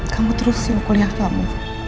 kamu terusin kuliah kamu